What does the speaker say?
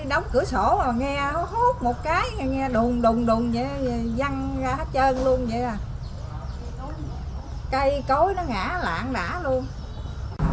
đóng cửa sổ nghe hút một cái nghe đùn đùn đùn dăng ra hết trơn luôn vậy à cây cối nó ngã lạng đã luôn